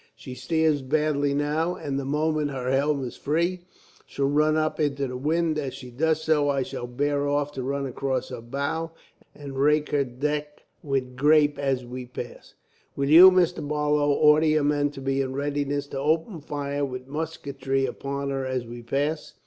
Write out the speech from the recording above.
She steers badly now, and the moment her helm is free, she'll run up into the wind. As she does so, I shall bear off, run across her bow, and rake her deck with grape as we pass. "Will you, Mr. Barlow, order your men to be in readiness to open fire with musketry upon her, as we pass?"